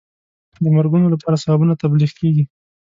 د مرګونو لپاره ثوابونه تبلیغ کېږي.